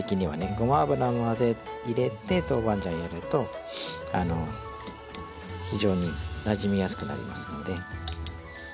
ごま油を混ぜ入れて豆板醤やると非常になじみやすくなりますので。